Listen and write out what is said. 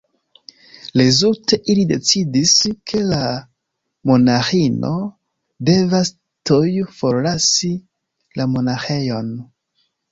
Rezulte ili decidis, ke la monaĥino devas tuj forlasi la monaĥejon.